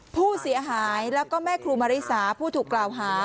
ผู้เสียหายแล้วก็แม่ครูมาริสาผู้ถูกกล่าวหา